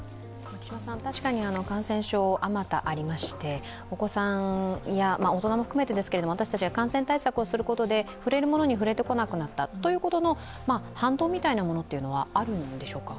確かに感染症、あまたありましてお子さんや大人も含めてですけど、私たちが感染対策をすることで触れるものに触れてこなかったということの反動みたいなものはあるんでしょうか？